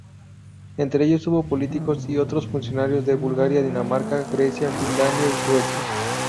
Entre ellos hubo políticos y otros funcionarios de Bulgaria, Dinamarca, Grecia, Finlandia y Suecia.